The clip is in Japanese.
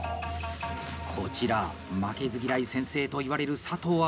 こちら「負けず嫌い先生」といわれる佐藤葵。